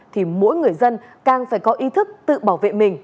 thì mỗi người dân càng phải có ý thức tự bảo vệ mình